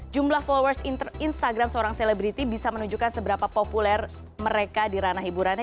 jumlah followers instagram seorang selebriti bisa menunjukkan seberapa populer mereka di ranah hiburannya